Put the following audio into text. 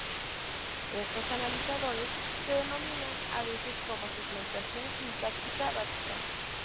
Estos analizadores se denominan a veces como "segmentación sintáctica básica".